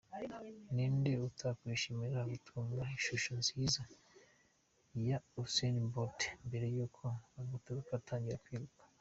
Ninde utakwishimira gutunga ishusho nziza ya Usain Bolt mbere yuko ahaguruka atangira kwiruka?.